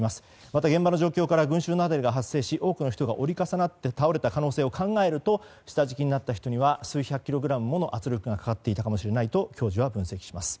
また、現場の状況から群衆雪崩が発生し多くの人が折り重なって倒れた可能性を考えると下敷きになった人には数百キログラムもの圧力がかかっていたかもしれないと教授は分析します。